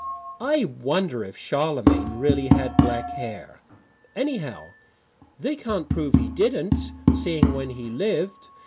I wonder if Charlemagne really had black hair. Anyhow, they can't prove he didn't, seeing when he lived.